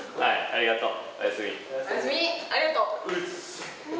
ありがとう。